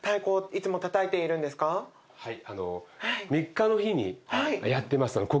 はい。